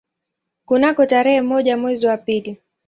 Kunako tarehe moja mwezi wa pili